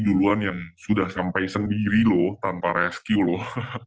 duluan yang sudah sampai sendiri loh tanpa rescue loh